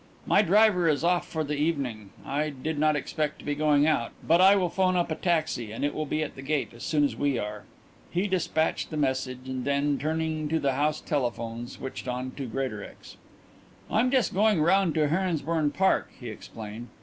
"My driver is off for the evening I did not expect to be going out but I will 'phone up a taxi and it will be at the gate as soon as we are." He despatched the message and then, turning to the house telephone, switched on to Greatorex. "I'm just going round to Heronsbourne Park," he explained.